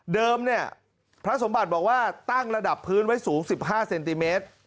เนี่ยพระสมบัติบอกว่าตั้งระดับพื้นไว้สูง๑๕เซนติเมตร